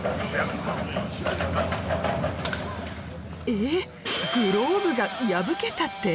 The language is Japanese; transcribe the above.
えっ？